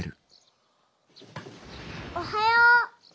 おはよう！